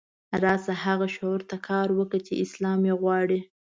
راشه هغه شعور ته کار وکړه چې اسلام یې غواړي.